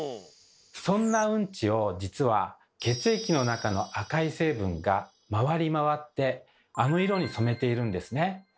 そんなうんちを実は血液の中の赤い成分が回り回ってあの色に染めているんですね。